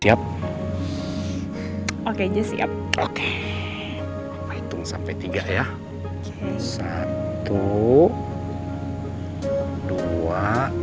siap oke siap oke hitung sampai tiga ya